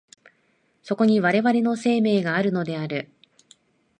そこに我々の生命があるのである。